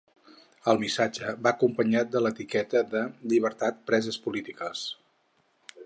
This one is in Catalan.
El missatge va acompanyat de l’etiqueta de ‘llibertat preses polítiques’.